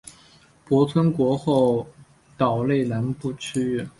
泊村国后岛南部区域。